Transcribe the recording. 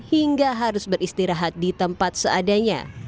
hingga harus beristirahat di tempat seadanya